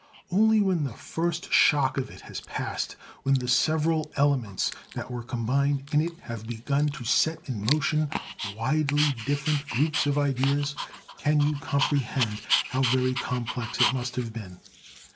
Only when the first shock of it has passed, when the several elements that were combined in it have begun to set in motion widely different groups of ideas, can you comprehend how very complex it must have been.